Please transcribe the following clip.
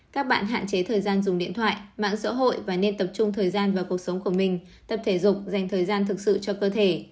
các bạn hạn chế thời gian dùng điện thoại mạng xã hội và nên tập trung thời gian vào cuộc sống của mình tập thể dục dành thời gian thực sự cho cơ thể